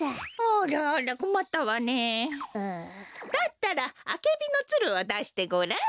だったらアケビのツルをだしてごらん？